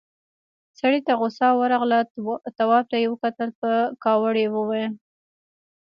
سړي ته غوسه ورغله، تواب ته يې وکتل، په کاوړ يې وويل: